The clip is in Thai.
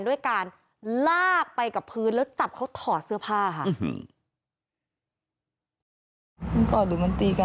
ด้วยการลากไปกับพื้นแล้วจับเขาถอดเสื้อผ้าค่ะ